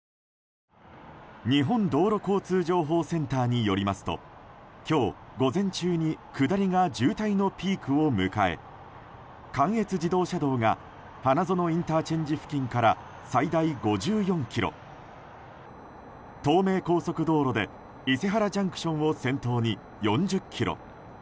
日本道路交通情報センターによりますと今日午前中に下りが渋滞のピークを迎え関越自動車道が花園ＩＣ付近から最大５４ｋｍ東名高速道路で伊勢原ＪＣＴを先頭に４０ｋｍ